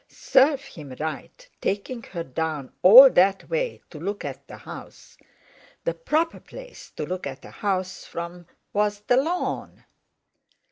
Serve him right, taking her down all that way to look at the house! The proper place to look at a house from was the lawn.